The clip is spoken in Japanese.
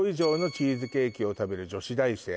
「チーズケーキを食べる女子大生」